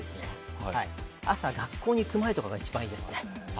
朝、学校に行く前とかが一番いいですね。